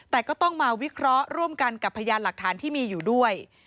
แต่ก็ต้องมาวิเคราะห์ร่วมกันกับพยานหลักฐานที่มีอยู่ด้วย